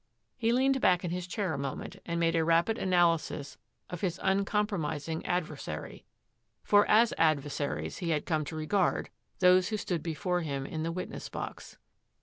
He leaned back in his chair a moment and made a rapid analysis of his uncompromising adversary, for as adversaries he had come to re gard those who stood before him in the witness box.